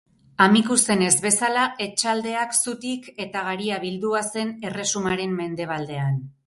Amikuzen ez bezala, etxaldeak zutik eta garia bildua zen Erresumaren mendebaldean.